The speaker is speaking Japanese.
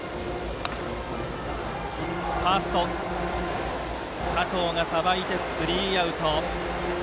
ファーストの加藤がさばいてスリーアウト。